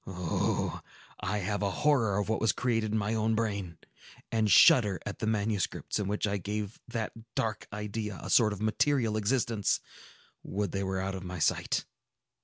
Oh, I have a horror of what was created in my own brain, and shudder at the manuscripts in which I gave that dark idea a sort of material existence! Would they were out of my sight!"